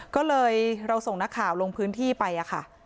ก็เลยเราส่งนักข่าวลงพื้นที่ไปค่ะ